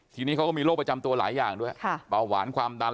ทีนี้เขาก็มีโรคประจำตัวหลายอย่างด้วยเบาหวานความดัน